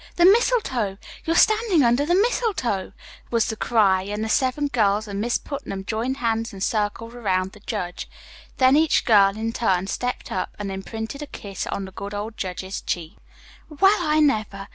The mistletoe! You're standing under the mistletoe!" was the cry and the seven girls and Miss Putnam joined hands and circled around the judge. Then each girl in turn stepped up and imprinted a kiss on the good old judge's cheek. [Illustration: The Girls Circled Around the Judge] "Well, I never!"